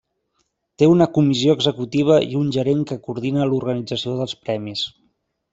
Té una comissió executiva i un gerent que coordina l'organització dels premis.